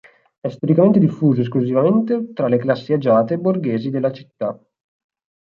È storicamente diffuso esclusivamente tra le classi agiate e borghesi della città.